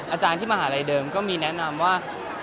อาจารย์ที่มหาลัยเดิมก็มีแนะนำว่า